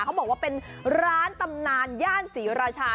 เขาบอกว่าเป็นร้านตำนานย่านศรีราชา